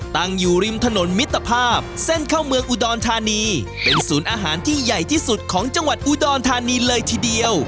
ตั้งอยู่ริมถนนมิตรภาพเส้นเข้าเมืองอุดรธานีเป็นศูนย์อาหารที่ใหญ่ที่สุดของจังหวัดอุดรธานีเลยทีเดียว